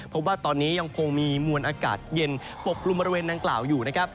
พบว่าตอนนี้ยังคงมีมวลอากาศเย็นปกกลุ่มบริเวณดังกล่าวอยู่นะครับ